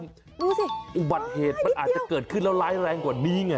ดูสิอุบัติเหตุมันอาจจะเกิดขึ้นแล้วร้ายแรงกว่านี้ไง